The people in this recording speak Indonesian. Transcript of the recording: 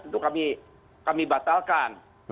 tentu kami batalkan